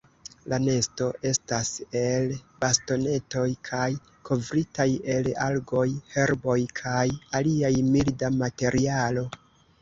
La nesto estas el bastonetoj kaj kovritaj el algoj, herboj kaj alia milda materialo.